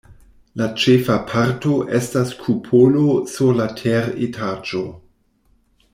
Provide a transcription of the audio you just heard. La ĉefa parto estas kupolo sur la teretaĝo.